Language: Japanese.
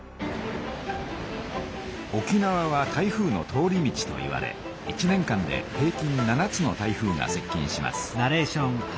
沖縄は台風の通り道といわれ１年間で平きん７つの台風がせっ近します。